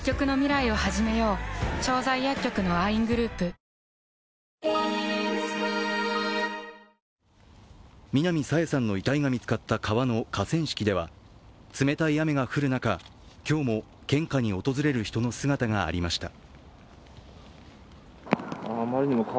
今年４月から小学校に入学したばかりで南朝芽さんの遺体が見つかった川の河川敷では冷たい雨が降る中、今日も献花に訪れる人の姿がありました。